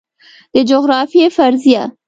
د جغرافیې فرضیه